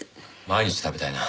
毎日食べたいな。